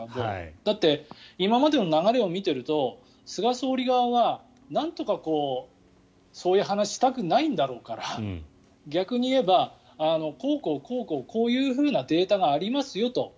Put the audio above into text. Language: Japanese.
だって、今までの流れを見ていると菅総理側はなんとかそういう話をしたくないだろうから逆に言えばこうこう、こういうふうなデータがありますよと。